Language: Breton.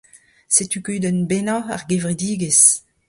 Setu kudenn bennañ ar gevredigezh.